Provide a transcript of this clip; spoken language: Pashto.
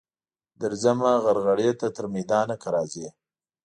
درځمه غرغړې ته تر میدانه که راځې.